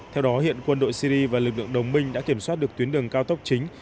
theo đó hiện quân đội syri và lực lượng đồng minh đã kiểm soát được tuyến đường cao tốc chính